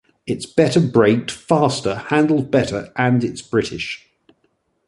It's better braked, faster, handles better and it's British.